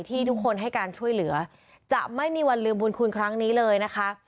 ที่ทุกคนให้การช่วยเหลือจะไม่มีวันลืมบุญคุณครั้งนี้เลยนะคะ